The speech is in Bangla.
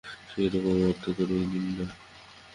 সেইরকম অর্থ করেই নিন-না!